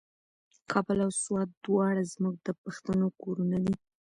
کابل او سوات دواړه زموږ د پښتنو کورونه دي.